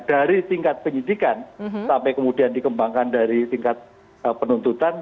dari tingkat penyidikan sampai kemudian dikembangkan dari tingkat penuntutan